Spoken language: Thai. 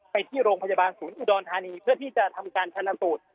ไปที่โรงพยาบาลศูนย์อุดรธานีเพื่อที่จะทำการชนะสูตร